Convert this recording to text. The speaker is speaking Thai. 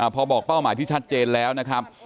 พอบอกเป้าหมายที่ชัดเจนแล้วนะครับ